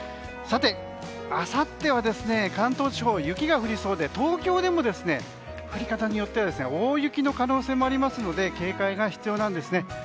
さて、あさっては関東地方、雪が降りそうで東京でも降り方によっては大雪の可能性もありますので警戒が必要なんですね。